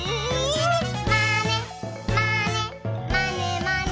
「まねまねまねまね」